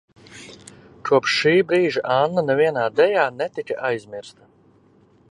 Kopš šī brīža Anna nevienā dejā netika aizmirsta.